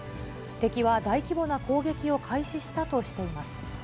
敵は大規模な攻撃を開始したとしています。